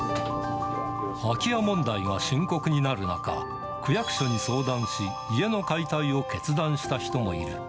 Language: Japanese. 空き家問題が深刻になる中、区役所に相談し、家の解体を決断した人もいる。